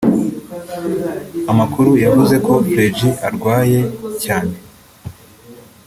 Amakuru yavuze ko Fergie arwaye cyane